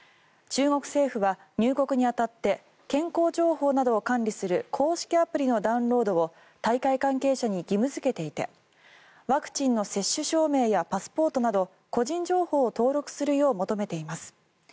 中国政府は入国に当たって健康情報などを管理する公式アプリのダウンロードを大会関係者に義務付けていてワクチンの接種証明やパスポートなど個人情報を登録するよう求めています。